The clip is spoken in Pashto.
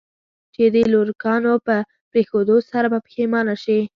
چې د لوکارنو په پرېښودو سره به پښېمانه شې.